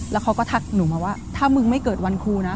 แล้วเขาก็ทักหนูมาว่าถ้ามึงไม่เกิดวันครูนะ